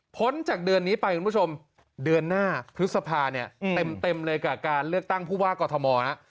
จากเดือนนี้ไปคุณผู้ชมเดือนหน้าพฤษภาเนี่ยเต็มเลยกับการเลือกตั้งผู้ว่ากอทมฮะ